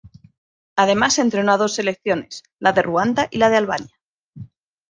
Además entrenó a dos selecciones, la de Ruanda y la de Albania.